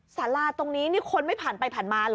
สาราตรงนี้นี่คนไม่ผ่านไปผ่านมาเหรอ